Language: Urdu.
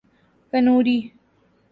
کنوری